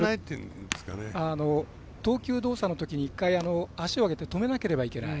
投球動作のときに１回足を上げて止めなければいけない。